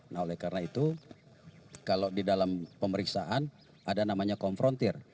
nah oleh karena itu kalau di dalam pemeriksaan ada namanya konfrontir